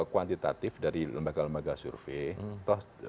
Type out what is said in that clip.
kuantitatif dari lembaga lembaga survei